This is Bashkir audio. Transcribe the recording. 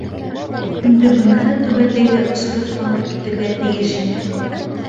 Инде быныһы түбәтәйҙе осороп алып китергә тейеш ине.